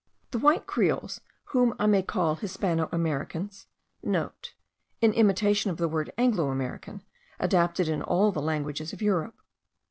The white Creoles, whom I may call Hispano Americans,* (* In imitation of the word Anglo American, adapted in all the languages of Europe.